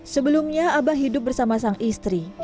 sebelumnya abah hidup bersama sang istri